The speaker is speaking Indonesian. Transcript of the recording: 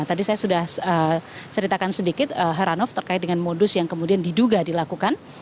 tadi saya sudah ceritakan sedikit heranov terkait dengan modus yang kemudian diduga dilakukan